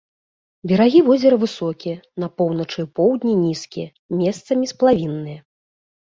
Берагі возера высокія, на поўначы і поўдні нізкія, месцамі сплавінныя.